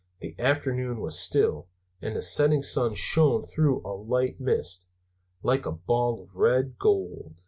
The afternoon was still and the setting sun shone through a light mist, like a ball of red gold.